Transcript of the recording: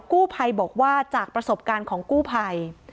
กู้ภัยบอกว่าจากประสบการณ์ของกู้ภัย